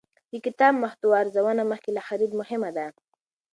د کتاب محتوا ارزونه مخکې له خرید مهمه ده.